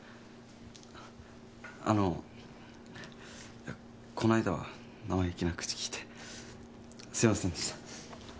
あのこの間は生意気な口利いてすいませんでした。